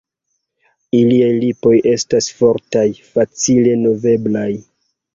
Iliaj lipoj estas fortaj, facile moveblaj.